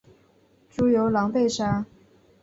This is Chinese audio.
朱由榔被杀。